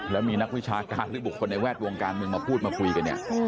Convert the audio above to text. แล้วมีนักวิชาการหรือบุคคลในแวดวงการเมืองมาพูดมาคุยกันเนี่ย